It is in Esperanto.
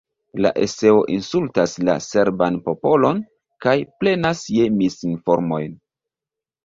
La eseo insultas la serban popolon kaj plenas je misinformoj.